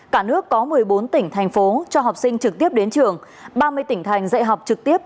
cả nước có một mươi bốn tỉnh thành phố cho học sinh trực tiếp đến trường ba mươi tỉnh thành dạy học trực tiếp